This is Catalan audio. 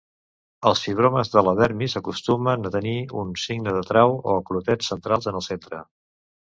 Els fibromes de la dermis acostumen a tenir un "signe de trau", o clotets centrals en el centre.